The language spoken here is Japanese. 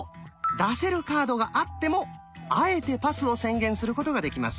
出せるカードがあってもあえてパスを宣言することができます。